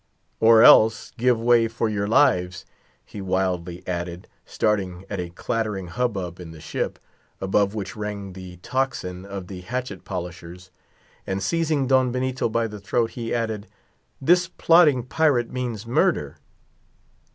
"Or else—give way for your lives," he wildly added, starting at a clattering hubbub in the ship, above which rang the tocsin of the hatchet polishers; and seizing Don Benito by the throat he added, "this plotting pirate means murder!"